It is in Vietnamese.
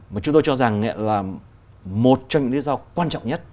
mà chúng tôi cho rằng là một trong những lý do quan trọng nhất